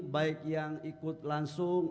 baik yang ikut langsung